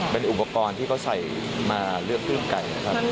เป็นอุปกรณ์ที่เขาใส่มาเลือกรูปไก่นะครับ